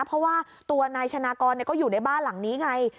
เพราะว่าตัวนายชนะกรก็อยู่ในบ้านหลังนี้ไง